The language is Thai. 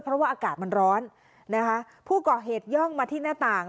เพราะว่าอากาศมันร้อนนะคะผู้ก่อเหตุย่องมาที่หน้าต่าง